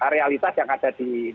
realitas yang ada di